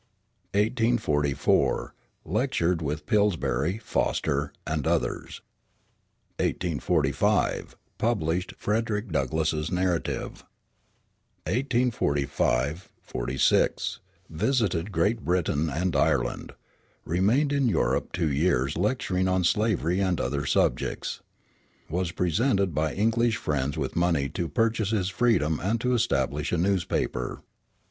1844 Lectured with Pillsbury, Foster, and others. 1845 Published Frederick Douglass's Narrative. 1845 46 Visited Great Britain and Ireland. Remained in Europe two years, lecturing on slavery and other subjects. Was presented by English friends with money to purchase his freedom and to establish a newspaper.